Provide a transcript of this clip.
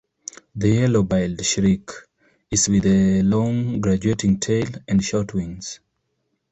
The yellow-billed shrike is with a long, graduating tail and short wings.